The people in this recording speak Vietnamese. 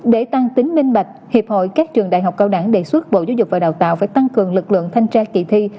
để tăng tính minh bạch hiệp hội các trường đại học cao đẳng đề xuất bộ giáo dục và đào tạo phải tăng cường lực lượng thanh tra kỳ thi